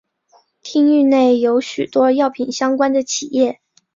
町域内有许多药品相关的企业。